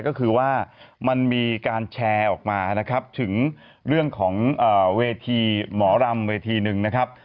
ก็คือว่ามันมีการแชร์ออกมานะครับถึงเรื่องของเวทีหมอรำเวทีหนึ่งนะครับ